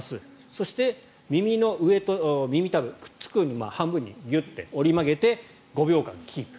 そして耳の上と耳たぶくっつくように半分にギュッて折り曲げて５秒間キープ。